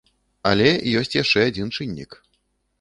Але ёсць яшчэ адзін чыннік.